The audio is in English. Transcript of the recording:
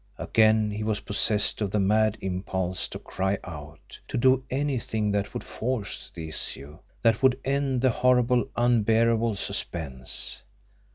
Again he was possessed of the mad impulse to cry out, to do anything that would force the issue, that would end the horrible, unbearable suspense.